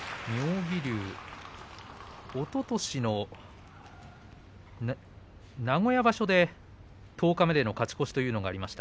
妙義龍はおととしの名古屋場所で十日目での勝ち越しというのがありました。